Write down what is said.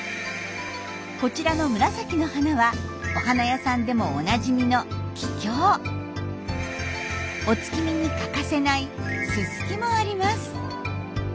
こちらの紫の花はお花屋さんでもおなじみのお月見に欠かせないススキもあります。